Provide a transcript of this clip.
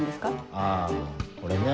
あぁこれね。